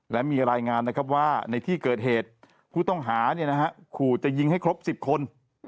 และมีรายงานว่าในที่เกิดเหตุผู้ต้องหาขู่จะยิงให้ครบ๑๐คน